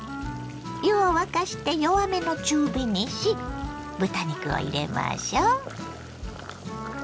湯を沸かして弱めの中火にし豚肉を入れましょ。